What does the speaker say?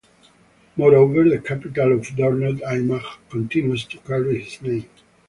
Moreover, the capital of Dornod aimag continues to carry his name.